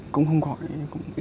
cũng không gọi